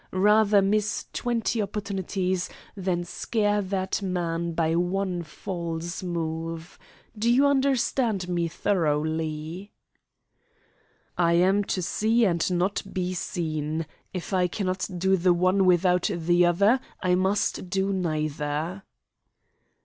Rather miss twenty opportunities than scare that man by one false move. Do you understand me thoroughly?" "I am to see and not be seen. If I cannot do the one without the other, I must do neither."